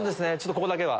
ここだけは。